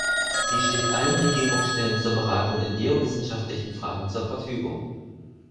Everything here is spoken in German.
Sie steht allen Regierungsstellen zur Beratung in geowissenschaftlichen Fragen zur Verfügung.